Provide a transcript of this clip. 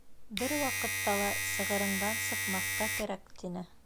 Бер ваҡытта ла сығырыңдан сыҡмаҫҡа кәрәк! —тине.